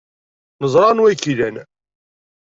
Neẓra anwa ay k-ilan.